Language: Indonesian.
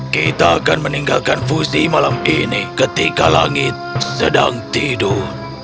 kita akan meninggalkan fuzi malam ini ketika langit sedang tidur